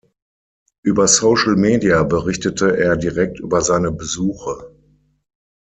Über Social Media berichtete er direkt über seine Besuche.